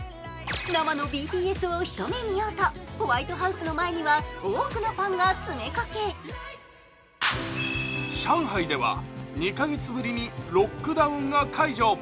生のＢＴＳを一目見ようとホワイトハウスの前には多くのファンが詰めかけ上海では２カ月ぶりにロックダウンが解除。